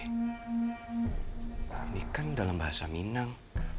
ini kan dalam bahasa minang